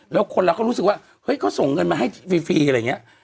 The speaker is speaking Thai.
แล้วคนเราก็รู้สึกว่าเฮ้ยเขาส่งเงินมาให้ฟรีอะไรอย่างนี้